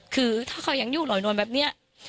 คือถ้าเขายังอยู่ลอยนวลแบบนี้